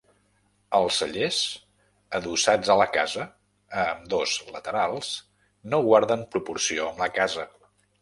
Els cellers, adossats a la casa, a ambdós laterals, no guarden proporció amb la casa.